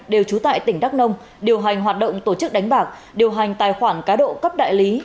đều trú tại tỉnh đắk nông điều hành hoạt động tổ chức đánh bạc điều hành tài khoản cá độ cấp đại lý